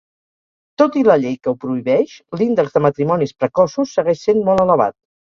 Tot i la llei que ho prohibeix, l'índex de matrimonis precoços segueix sent molt elevat.